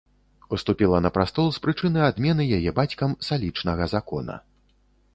Уступіла на прастол з прычыны адмены яе бацькам салічнага закона.